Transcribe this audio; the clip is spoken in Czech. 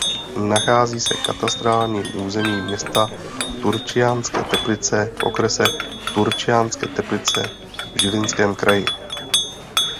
Nachází se katastrálním území města Turčianske Teplice v okrese Turčianske Teplice v Žilinském kraji.